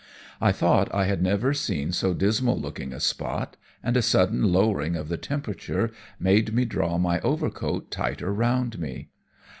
I thought I had never seen so dismal looking a spot, and a sudden lowering of the temperature made me draw my overcoat tighter round me.